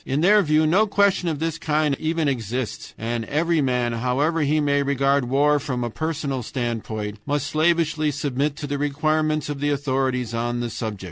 In their view no question of this kind even exists, and every man, however he may regard war from a personal standpoint, must slavishly submit to the requirements of the authorities on the subject.